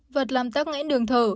vật làm tắc ngãn đường thở